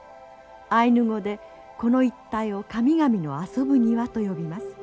アイヌ語でこの一帯を神々の遊ぶ庭と呼びます。